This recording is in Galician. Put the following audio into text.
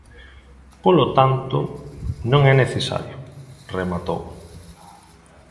"Polo tanto, non é necesario", rematou.